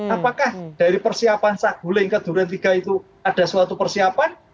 apakah dari persiapan saghuling ke durian iii itu ada suatu persiapan